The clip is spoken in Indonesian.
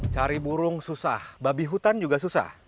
cari burung susah babi hutan juga susah